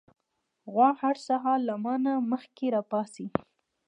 غوا هر سهار له ما نه مخکې راپاڅي.